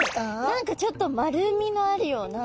何かちょっと丸みのあるような。